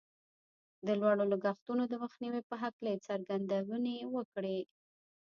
د لوړو لګښتونو د مخنيوي په هکله يې څرګندونې وکړې.